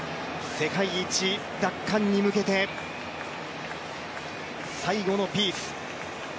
世界一奪還に向けて、最後のピース。